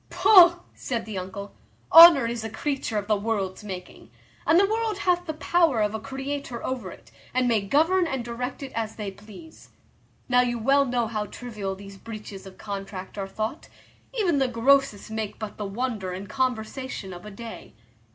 "Pugh!" said the uncle, "honour is a creature of the world's making, and the world hath the power of a creator over it, and may govern and direct it as they please. Now you well know how trivial these breaches of contract are thought; even the grossest make but the wonder and conversation of a day.